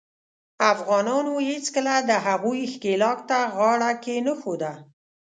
افغانانو هیڅکله د هغوي ښکیلاک ته غاړه کښېنښوده.